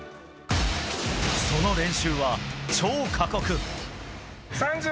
その練習は超過酷。